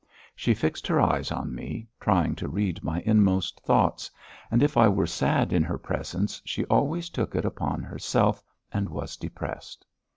She fixed her eyes on me, trying to read my inmost thoughts, and if I were sad in her presence, she always took it upon herself and was depressed.